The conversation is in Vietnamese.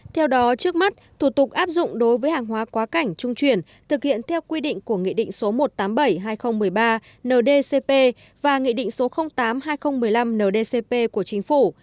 theo đó trước mắt thủ tục áp dụng đối với hàng hóa quá cảnh trung chuyển thực hiện theo quy định của nghị định số một trăm tám mươi bảy hai nghìn một mươi ba ndcp và nghị định số tám hai nghìn một mươi năm ndcp của chính phủ